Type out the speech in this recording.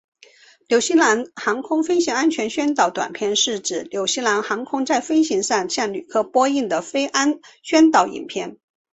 纽西兰航空飞行安全宣导短片是指纽西兰航空在飞机上向旅客播映的飞安宣导影片。